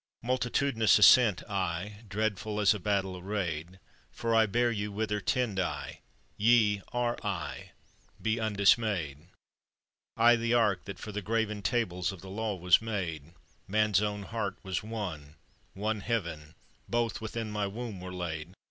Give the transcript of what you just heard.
_ "Multitudinous ascend I, Dreadful as a battle arrayed, For I bear you whither tend I; Ye are I: be undismayed! I, the Ark that for the graven Tables of the Law was made; Man's own heart was one, one Heaven, Both within my womb were laid.